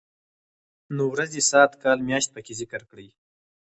نو ورځې ،ساعت، کال ،مياشت پکې ذکر کړي.